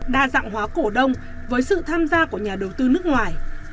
đa dạng hóa cổ đông với sự tham gia của nhà đầu tư nước ngoài